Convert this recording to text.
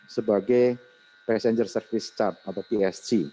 sebagai passenger service chart atau psg